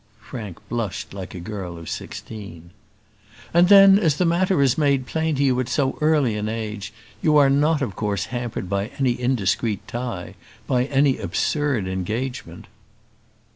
Frank blushed like a girl of sixteen. "And then, as the matter is made plain to you at so early an age, you are not of course hampered by any indiscreet tie; by any absurd engagement."